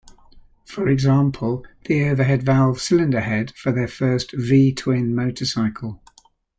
For example, the overhead-valve cylinder head for their first V-twin motorcycle.